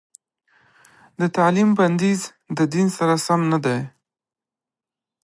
د تعليم بندیز د دین سره سم نه دی.